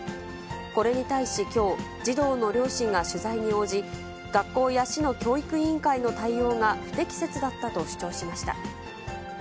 これに対し、きょう、児童の両親が取材に応じ、学校や市の教育委員会の対応が不適切だったと主張しました。